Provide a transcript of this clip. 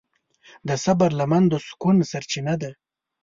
د صبر لمن د سکون سرچینه ده.